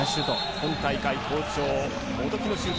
今大会好調。